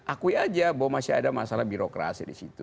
akui aja bahwa masih ada masalah birokrasi di situ